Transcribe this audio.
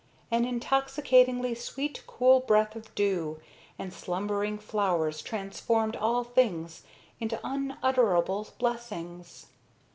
An intoxicatingly sweet cool breath of dew and slumbering flowers transformed all things into unutterable blessings.